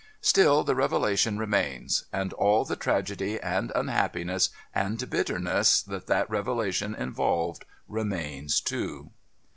Still the revelation remains and all the tragedy and unhappiness and bitterness that that revelation involved remains too....